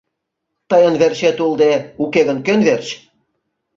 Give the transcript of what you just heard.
Тыйын верчет улде, уке гын кӧн верч?